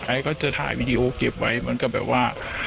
ไอ้ก็จะถ่ายวิดีโอเก็บไว้มันก็แบบว่า